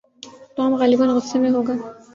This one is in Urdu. ٹام غالباً غصے میں ہوگا۔